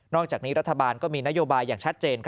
จากนี้รัฐบาลก็มีนโยบายอย่างชัดเจน